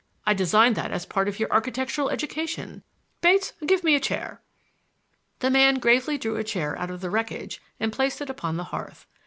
I designed that as a part of your architectural education. Bates, give me a chair." The man gravely drew a chair out of the wreckage and placed it upon the hearth.